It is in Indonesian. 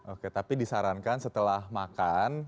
oke tapi disarankan setelah makan